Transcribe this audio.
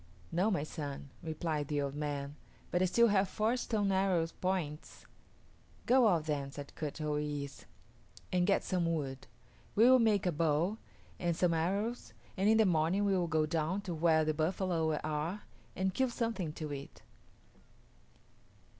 "No, my son," replied the old man, "but I still have four stone arrow points." "Go out then," said Kut o yis´, "and get some wood. We will make a bow and some arrows, and in the morning we will go down to where the buffalo are and kill something to eat."